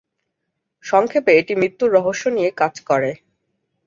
সংক্ষেপে, এটি মৃত্যুর রহস্য নিয়ে কাজ করে।